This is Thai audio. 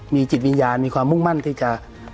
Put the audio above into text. มีความมุ่งมั่นที่จะ